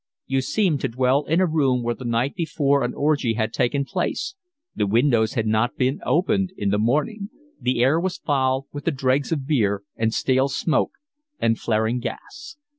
You seemed to dwell in a room where the night before an orgy had taken place: the windows had not been opened in the morning; the air was foul with the dregs of beer, and stale smoke, and flaring gas.